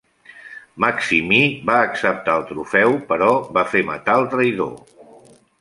Maximí va acceptar el trofeu però va fer matar el traïdor.